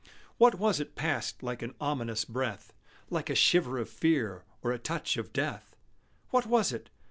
What was it passed like an ominous breath Like a shiver of fear, or a touch of death? What was it?